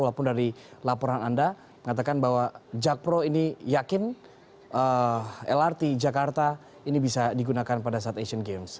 walaupun dari laporan anda mengatakan bahwa jakpro ini yakin lrt jakarta ini bisa digunakan pada saat asian games